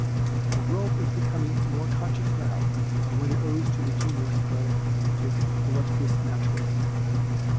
The world is becom ing more conscious now of what it owes to the genius of this illustrious naturalist.